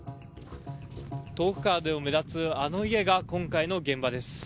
遠くからでも目立つあの家が今回の現場です。